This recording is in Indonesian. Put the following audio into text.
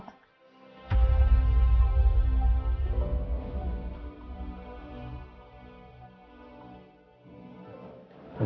tadi saya menemukan sim card